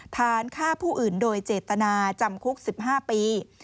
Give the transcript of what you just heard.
ฐานฆ่าผู้อื่นโดยเจตนาจำคุก๑๕ปี